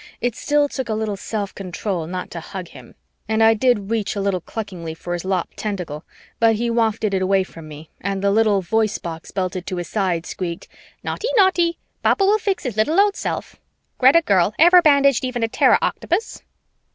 It still took a little self control not to hug him, and I did reach a little cluckingly for his lopped tentacle, but he wafted it away from me and the little voice box belted to his side squeaked, "Naughty, naughty. Papa will fix his little old self. Greta girl, ever bandaged even a Terra octopus?"